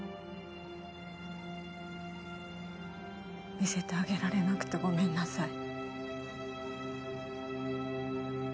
見せてあげられなくてごめんなさい。